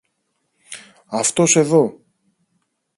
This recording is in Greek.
Αυτός, εδώ!